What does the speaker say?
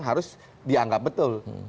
harus dianggap betul